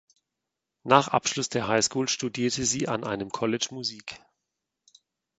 Nach Abschluss der High School studierte sie an einem College Musik.